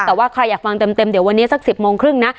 แต่ว่าใครอยากฟังเต็มเดี๋ยววันนี้สัก๑๐โมงครึ่งนะ